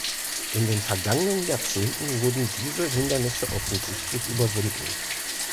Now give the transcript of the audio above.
In den vergangenen Jahrzehnten wurden diese Hindernisse offensichtlich überwunden.